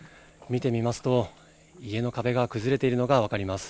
見てみますと、家の壁が崩れているのが分かります。